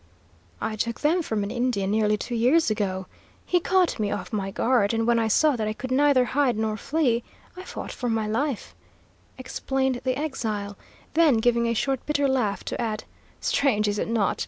"I took them from an Indian, nearly two years ago. He caught me off my guard, and, when I saw that I could neither hide nor flee, I fought for my life," explained the exile; then giving a short, bitter laugh, to add: "Strange, is it not?